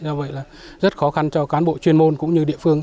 do vậy là rất khó khăn cho cán bộ chuyên môn cũng như địa phương